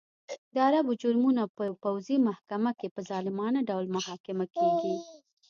د عربو جرمونه په پوځي محکمه کې په ظالمانه ډول محاکمه کېږي.